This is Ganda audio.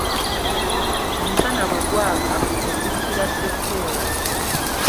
Omusana bwe gwaka, otikkira seppeewo.